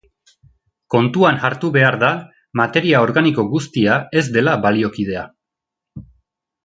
Kontuan hartu behar da materia organiko guztia ez dela baliokidea.